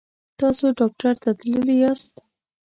تاسو ډاکټر ته تللي یاست؟